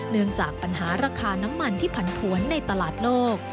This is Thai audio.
เนื่องจากปัญหาราคาน้ำมันที่ผันผวนในตลาดโลก